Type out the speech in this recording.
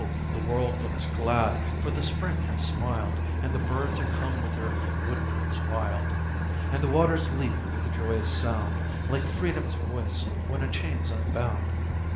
the world looks glad, for the spring has smiled, And the birds are come with their "wood notes wild," And the waters leap with a joyous sound, Like freedom's voice when a chain's unbound.